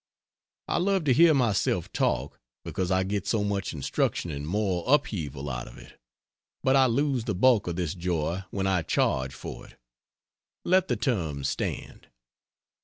I love to hear myself talk, because I get so much instruction and moral upheaval out of it, but I lose the bulk of this joy when I charge for it. Let the terms stand.